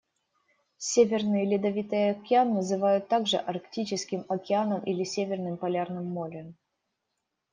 Северный Ледовитый Океан называют также Арктическим Океаном или Северным Полярным Морем.